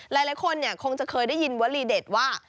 หลายคนคงจะเคยได้ยินวลีเด็ดว่า